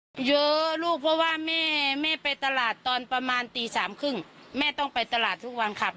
อายุ๑๐ปีนะฮะเขาบอกว่าเขาก็เห็นถูกยิงนะครับ